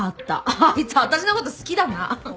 あいつ私の事好きだな。